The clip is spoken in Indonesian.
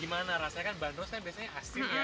gimana rasanya kan bandrosnya biasanya asin ya